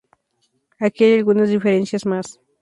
Aquí hay algunas diferencias más.